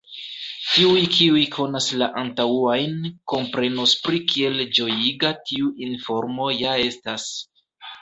Tiuj kiuj konas la antaŭajn, komprenos pri kiel ĝojiga tiu informo ja estas.